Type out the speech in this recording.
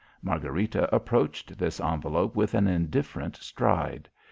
Margharita approached this envelope with an indifferent stride.